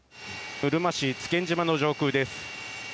うるま市津堅島の上空です。